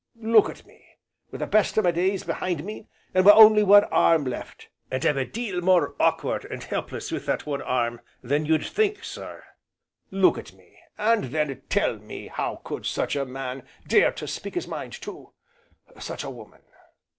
Look at me, with the best o' my days behind me, and wi' only one arm left and I'm a deal more awkward and helpless with that one arm than you'd think, sir, look at me, and then tell me how could such a man dare to speak his mind to such a woman.